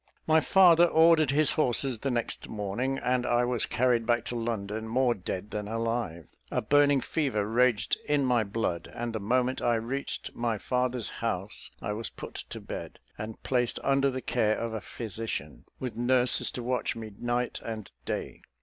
My father ordered his horses the next morning, and I was carried back to London, more dead than alive. A burning fever raged in my blood; and the moment I reached my father's house, I was put to bed, and placed under the care of a physician, with nurses to watch me night and day.